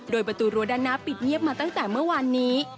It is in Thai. โดยประตูรั้วด้านหน้าปิดเงียบมาตั้งแต่เมื่อวานนี้